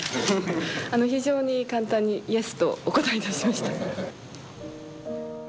非常に簡単に「Ｙｅｓ」とお答えいたしました。